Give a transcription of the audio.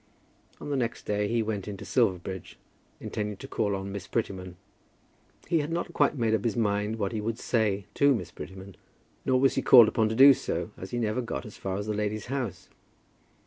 On the next day he went into Silverbridge, intending to call on Miss Prettyman. He had not quite made up his mind what he would say to Miss Prettyman; nor was he called upon to do so, as he never got as far as that lady's house.